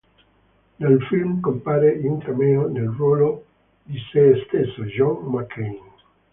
Nel film compare in un cameo, nel ruolo di sé stesso, John McCain.